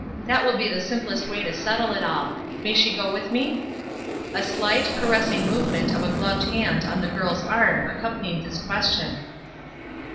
That will be the simplest way to settle it all. May she go with me?" A slight, caressing movement of a gloved hand on the girl's arm accompanied this question.